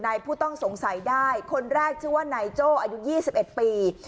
ผู้ต้องสงสัยได้คนแรกชื่อว่านายโจ้อายุ๒๑ปี